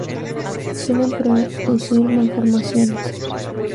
Suelen producir malformaciones.